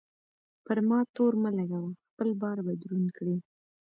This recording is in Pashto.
پر ما تور مه لګوه؛ خپل بار به دروند کړې.